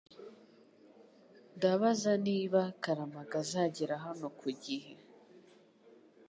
Ndabaza niba Karamaga azagera hano ku gihe .